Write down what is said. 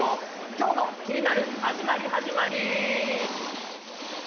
今日の「キニナル」始まり始まり！